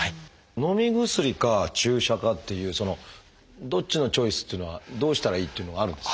のみ薬か注射かっていうそのどっちのチョイスっていうのはどうしたらいいっていうのがあるんですか？